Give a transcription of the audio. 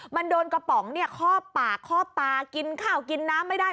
มันโดนกระป๋องคอบปากคอบตากินข้าวกินน้ำไม่ได้